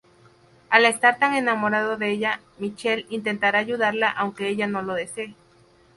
Al estar tan enamorado de ella, Michael intentará ayudarla aunque ella no lo desee.